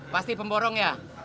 pasti pemborong ya